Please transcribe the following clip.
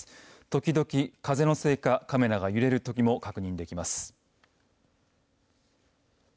時々、風のせいかカメラが揺れるときも確認できます。